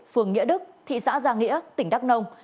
phường nghĩa đức thị xã giang nghĩa tỉnh đắk nông